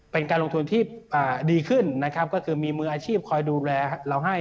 เป็นการลงทุนที่ดีขึ้นนะครับก็คือมีมืออาชีพคอยดูแลเราให้